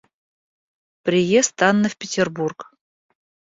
Приезд Анны в Петербург.